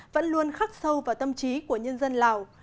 vẫn luôn khắc sâu vào tâm trí của nhân dân lào